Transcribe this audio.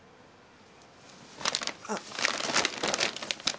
あっ。